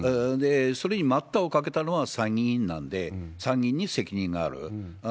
それに待ったをかけたのは参議院なんで、参議院に責任がある。